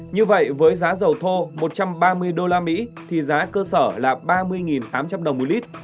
như vậy với giá dầu thô một trăm ba mươi usd thì giá cơ sở là ba mươi tám trăm linh đồng một lít